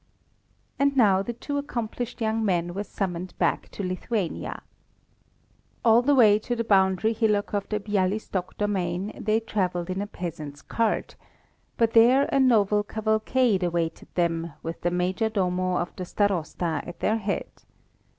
And now the two accomplished young men were summoned back to Lithuania. All the way to the boundary hillock of the Bialystok domain they travelled in a peasant's cart; but there a noble cavalcade awaited them, with the Major Domo of the Starosta at their head.